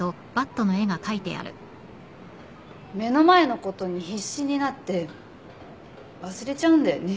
目の前のことに必死になって忘れちゃうんだよね